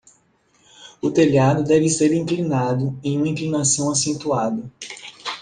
O telhado deve ser inclinado em uma inclinação acentuada.